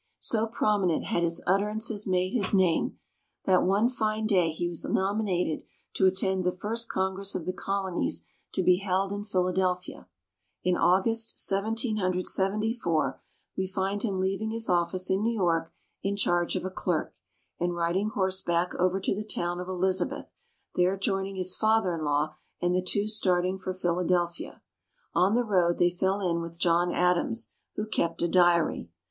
So prominent had his utterances made his name, that one fine day he was nominated to attend the first Congress of the Colonies to be held in Philadelphia. In August, Seventeen Hundred Seventy four, we find him leaving his office in New York in charge of a clerk, and riding horseback over to the town of Elizabeth, there joining his father in law, and the two starting for Philadelphia. On the road they fell in with John Adams, who kept a diary.